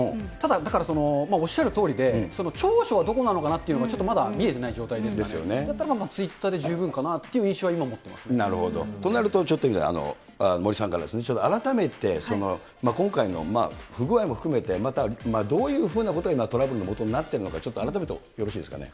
だからおっしゃるとおりで長所はどこなのかなというのが、ちょっとまだ見えてない状態で、だったらツイッターで十分かなとちょっと森さんからですね、改めて、今回の不具合も含めて、また、どういうふうなことに、トラブルのもとになっているのか、ちょっと改めてよろしいですかね。